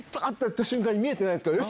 見えてないんすけど。